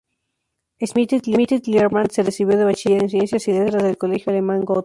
Schmidt-Liermann se recibió de Bachiller en Ciencias y Letras del Colegio alemán Goethe.